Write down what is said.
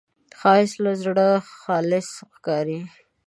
ښایست له زړه خالص ښکاري